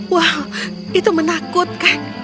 wah itu menakutkan